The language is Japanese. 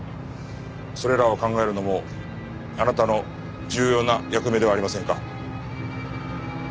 それらを考えるのもあなたの重要な役目ではありませんか？